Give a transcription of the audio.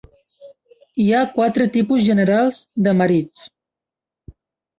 Hi ha quatre tipus generals de marits.